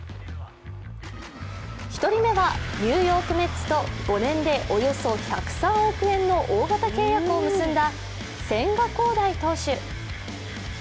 １人目は、ニューヨークメッツと５年でおよそ１０３億円の大型契約を結んだ千賀滉大投手。